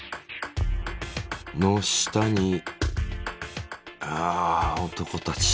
の下に男たち。